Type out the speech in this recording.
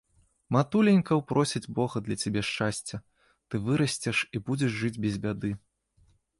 Матуленька ўпросіць бога для цябе шчасця, ты вырасцеш і будзеш жыць без бяды.